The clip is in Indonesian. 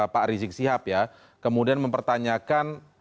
pak rizik sihab ya kemudian mempertanyakan